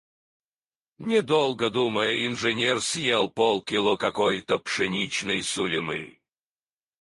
Не долго думая, инженер съел пол кило какой-то пшеничной сулемы.